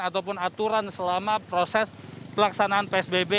ataupun aturan selama proses pelaksanaan psbb